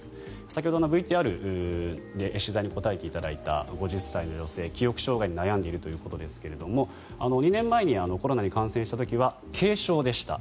先ほどのＶＴＲで取材に答えていただいた５０歳の女性、記憶障害に悩んでいるということですが２年前にコロナに感染した時は軽症でした。